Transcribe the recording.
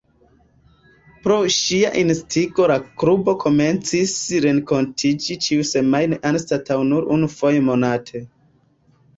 Pro ŝia instigo la klubo komencis renkontiĝi ĉiusemajne anstataŭ nur unufoje monate.